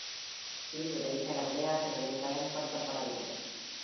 சீருடை பல விளையாட்டுகளில் பயன்படுத்தப்படவில்லை.